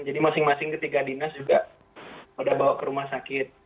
jadi masing masing ketiga dinas juga sudah bawa ke rumah sakit